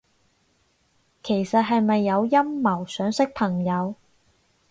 其實係咪有陰謀，想識朋友？